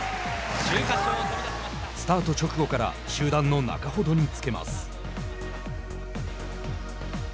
スタート直後から集団の中ほどにつけます。